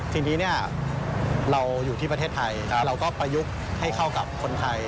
ทีนี้เราอยู่ที่ประเทศไทยเราก็ประยุกต์ให้เข้ากับคนไทย